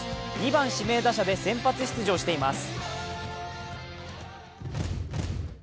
２番・指名打者で先発出場しています。